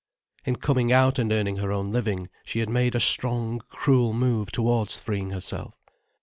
In coming out and earning her own living she had made a strong, cruel move towards freeing herself.